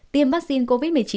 tiêm vaccine covid một mươi chín